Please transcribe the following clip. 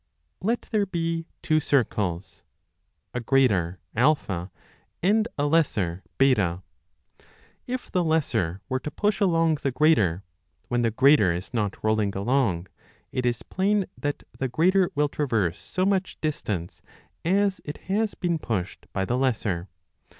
Let there be two circles, a greater A and a lesser B. If the lesser were to push along the greater, when the greater is not rolling along, it is plain that the greater will traverse so much distance as it has been pushed by the lesser.